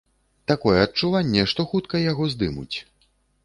Такое адчуванне, што хутка яго здымуць.